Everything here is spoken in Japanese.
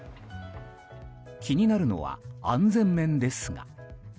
気になるのは安全面ですが。